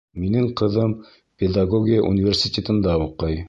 Минең ҡыҙым педагогия университетында уҡый